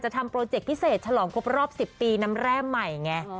ทำโปรเจคพิเศษฉลองครบรอบ๑๐ปีน้ำแร่ใหม่ไง